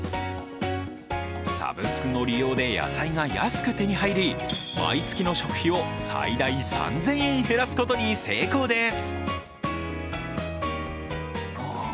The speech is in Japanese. サブスクの利用で野菜が安く手に入り、毎月の食費を最大３０００円減らすことに成功です。